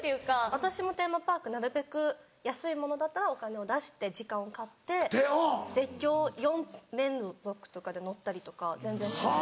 私もテーマパークなるべく安いものだったらお金を出して時間を買って絶叫４連続とかで乗ったりとか全然します。